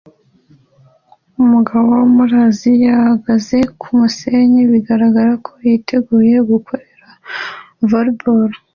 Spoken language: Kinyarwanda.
Umugabo wo muri Aziya uhagaze kumusenyi bigaragara ko yiteguye gukorera volley ball